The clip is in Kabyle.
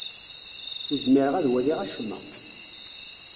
Ur zmireɣ ad waliɣ acemma.